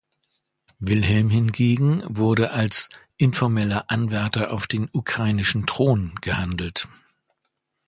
Wilhelm hingegen wurde als informeller Anwärter auf den ukrainischen Thron gehandelt.